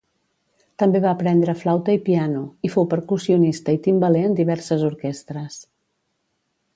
També va aprendre flauta i piano, i fou percussionista i timbaler en diverses orquestres.